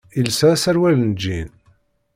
Yelsa aserwal n lǧin.